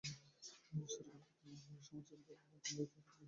সেরকম কৃত্রিম উপায়ে সমাজের দ্বার আগলে থাকবার জো এখন আর তেমন নেই।